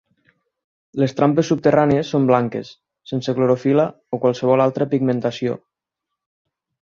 Les trampes subterrànies són blanques, sense clorofil·la o qualsevol altra pigmentació.